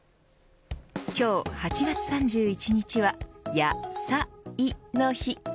今日８月３１日は野菜の日。